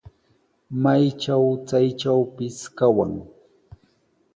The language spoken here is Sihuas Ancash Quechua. Maytraw chaytrawpis kawan.